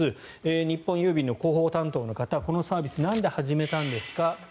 日本郵便の広報担当の方このサービスなんで始めたんですか？